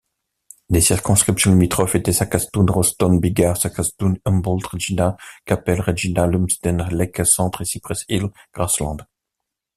Les circonscriptions limitrophes étaient Saskatoon—Rosetown—Biggar, Saskatoon—Humboldt, Regina—Qu'Appelle, Regina—Lumsden—Lake Centre et Cypress Hills—Grasslands.